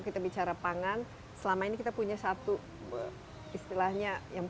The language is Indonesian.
pertanyaan yang paling penting